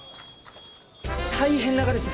大変ながです！